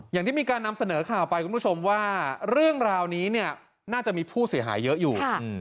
อย่างที่มีการนำเสนอข่าวไปคุณผู้ชมว่าเรื่องราวนี้เนี่ยน่าจะมีผู้เสียหายเยอะอยู่